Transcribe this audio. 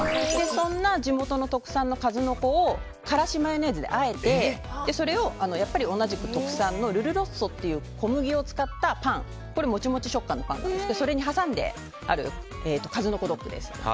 そんな地元の特産の数の子をからしマヨネーズであえてそれを同じく特産のルルロッソという小麦を使ったパンモチモチ食感のパンなんですがそれに挟んである数の子ドッグです。